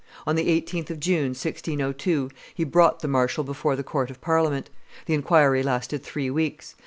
On the 18th of June, 1602, he brought the marshal before the court of Parliament. The inquiry lasted three weeks.